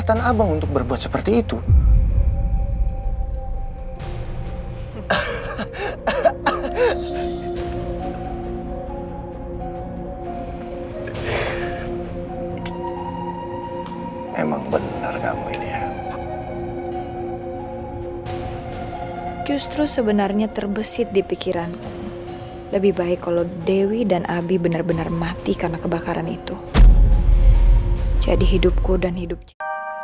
memang benar kamu ini ya